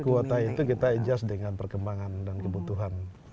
kuota itu kita adjust dengan perkembangan dan kebutuhan